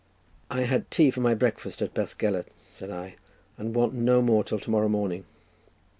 "I had tea for my breakfast at Bethgelert," said I, "and want no more till to morrow morning.